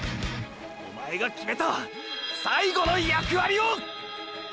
おまえが決めた最後の役割を！！